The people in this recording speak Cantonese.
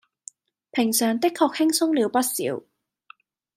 平常的確輕鬆了不少